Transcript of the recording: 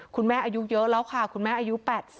อายุเยอะแล้วค่ะคุณแม่อายุ๘๐